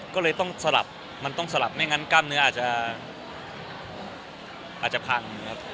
ก็เลยต้องสลับไม่งั้นกล้ามเนื้ออาจจะพัง